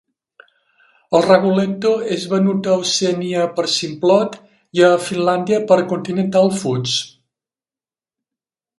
El "raguletto" és venut a Oceania per Simplot i a Finlàndia per Continental Foods.